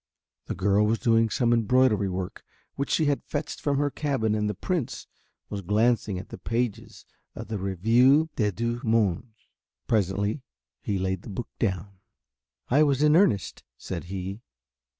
The girl was doing some embroidery work which she had fetched from her cabin and the Prince was glancing at the pages of the Revue des Deux Mondes. Presently he laid the book down. "I was in earnest," said he.